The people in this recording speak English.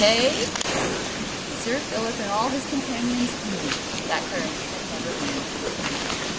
hey?" Sir Philip and all his companions knew that Clarence had never learned to swim.